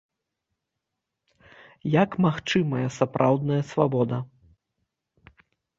Як магчымая сапраўдная свабода?